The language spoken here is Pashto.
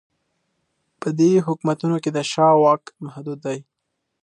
په دې حکومتونو کې د شاه واک محدود دی.